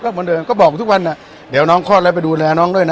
เหมือนเดิมก็บอกทุกวันเดี๋ยวน้องคลอดแล้วไปดูแลน้องด้วยนะ